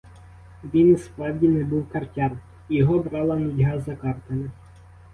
Він і справді не був картяр, і його брала нудьга за картами.